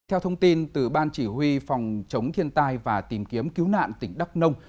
theo thông tin từ ban chỉ huy phòng chống thiên tai và tìm kiếm cứu nạn tỉnh đắk nông